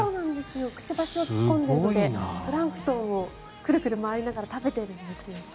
くちばしを突っ込んでいるのでプランクトンをくるくる回りながら食べているんですよ。